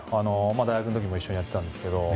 大学の時も一緒にやってたんですけど。